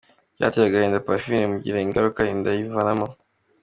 Byateye agahinda Parfine bimugiraho ingaruka inda yivanamo”.